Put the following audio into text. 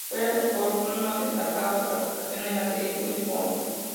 Fuera del porno destaca su participación en la serie "Wild On!